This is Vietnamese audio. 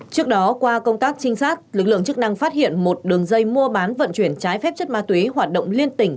trước đó qua công tác trinh sát lực lượng chức năng phát hiện một đường dây mua bán vận chuyển trái phép chất ma túy hoạt động liên tỉnh